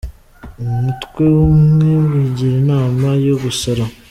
umutwe umwe wigira inama yo gusara